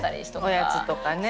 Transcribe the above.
おやつとかね。